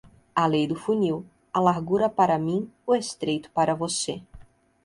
A lei do funil: a largura para mim, o estreito para você.